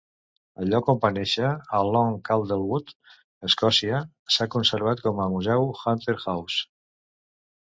El lloc on va néixer, a Long Calderwood, Escòcia, s'ha conservat com a Museu Hunter House.